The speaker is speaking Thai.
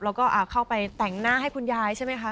แล้วก็เข้าไปแต่งหน้าให้คุณยายใช่ไหมคะ